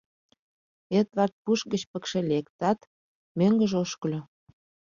Эдвард пуш гыч пыкше лектат, мӧҥгыжӧ ошкыльо.